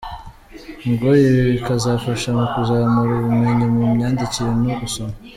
Ngo ibi bikazafasha mu kuzamura ubumenyi mu myandikire no gusoma.